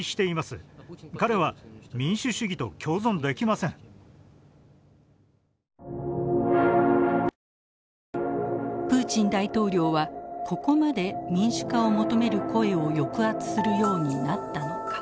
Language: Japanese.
なぜプーチン大統領はここまで民主化を求める声を抑圧するようになったのか。